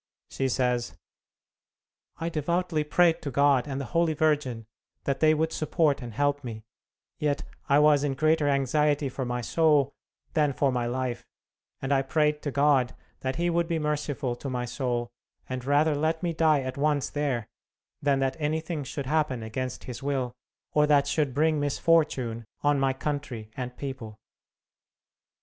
She says: "I devoutly prayed to God and the Holy Virgin, that they would support and help me; yet I was in greater anxiety for my soul than for my life, and I prayed to God that He would be merciful to my soul, and rather let me die at once there, than that anything should happen against His will, or that should bring misfortune on my country and people."